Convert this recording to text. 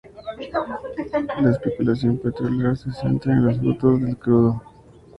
La especulación petrolera se centra en los futuros del crudo.